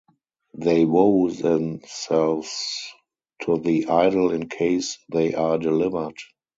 They vow themselves to the idol in case they are delivered.